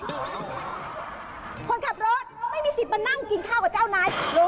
คนขับรถไม่มีสิทธิ์มานั่งกินข้าวกับเจ้านาย